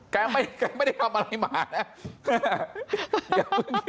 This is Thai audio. แกไม่ได้ทำอะไรมากนะ